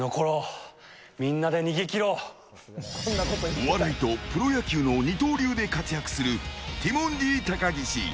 お笑いとプロ野球の二刀流で活躍するティモンディ高岸。